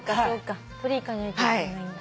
取りに行かないといけないんだ。